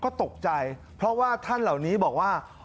ก็ตกใจเพราะว่าท่านเหล่านี้บอกว่า